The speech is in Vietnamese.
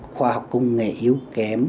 khoa học công nghệ yếu kém